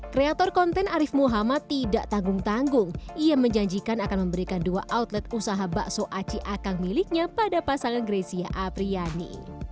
kreator konten arief muhammad tidak tanggung tanggung ia menjanjikan akan memberikan dua outlet usaha bakso aci akang miliknya pada pasangan grecia apriyani